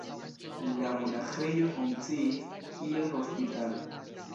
La monaĥejo funkciis kiel hospitalo.